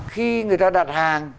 khi người ta đặt hàng